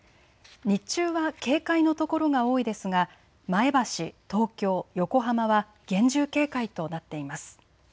日中は警戒の所が多いですが前橋、東京、横浜は厳重警戒となっています。